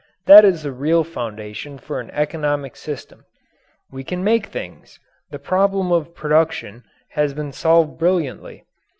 That is the real foundation for an economic system. We can make things the problem of production has been solved brilliantly.